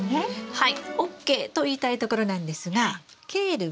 はい。